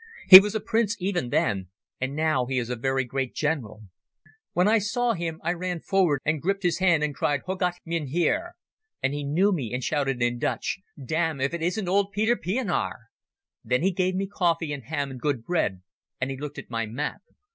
He was a prince even then, and now he is a very great general. When I saw him, I ran forward and gripped his hand and cried, 'Hoe gat het, Mynheer?' and he knew me and shouted in Dutch, 'Damn, if it isn't old Peter Pienaar!' Then he gave me coffee and ham and good bread, and he looked at my map.